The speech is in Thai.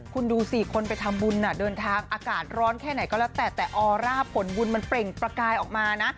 คุณดูสิคนไปทำบุญเดินทางอากาศร้อนแค่ไหนก็แล้วแต่แต่ออร่าผลบุญมันเปล่งประกายออกมานะ